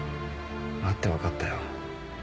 会って分かったよ。